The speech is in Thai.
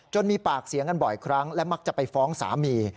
มีปากเสียงกันบ่อยครั้งและมักจะไปฟ้องสามี